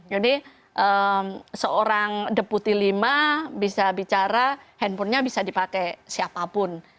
jadi seorang deputi v bisa bicara handphonenya bisa dipakai siapapun